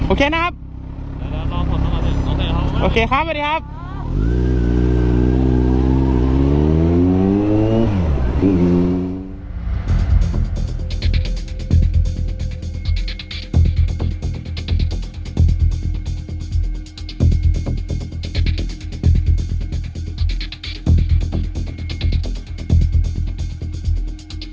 โอเคค่ะสวัสดีครับ